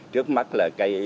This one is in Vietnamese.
trước mắt là cây